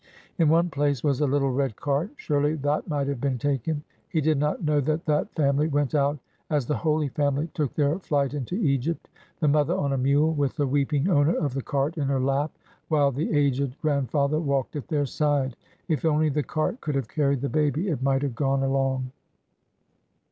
In one place was a little red cart. Surely that might have been taken ! He did not know that that family went out as the Holy Family took their flight into Egypt, the mother on a mule, with the weeping owner of the cart in her lap, while the aged grandfather walked at their side. If only the cart could have carried the baby, it might have gone along.